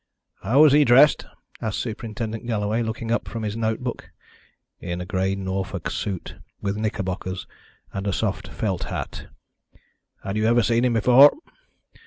"How was he dressed?" asked Superintendent Galloway, looking up from his note book. "In a grey Norfolk suit, with knickerbockers, and a soft felt hat." "Had you ever seen him before?"